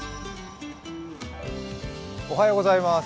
おはようございます。